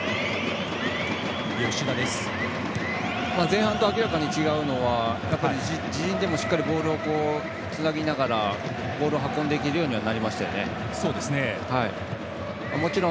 前半と明らかに違うのは自陣でもしっかりボールをつなぎながらボールを運べるようになりました。